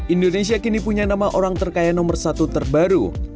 indonesia kini punya nama orang terkaya nomor satu terbaru